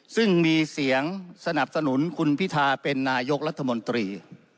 ซึ่งมีเสียงสนับสนุนคุณพิธาเป็นนายกรัฐมนตรี